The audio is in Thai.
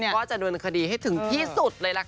ว่าจะโดนคดีให้ถึงที่สุดเลยล่ะค่ะ